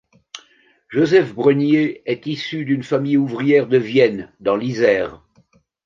Joseph Brenier est issu d'une famille ouvrière de Vienne dans l'Isère.